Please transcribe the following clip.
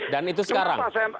dan itu sekarang